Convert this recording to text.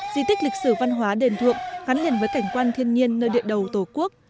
di tích lịch sử văn hóa đền thượng gắn liền với cảnh quan thiên nhiên nơi địa đầu tổ quốc